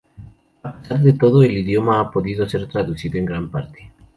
A pesar de todo, el idioma ha podido ser traducido en gran parte.